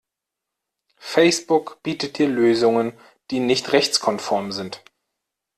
Facebook bietet dir Lösungen, die nicht rechtskonform sind.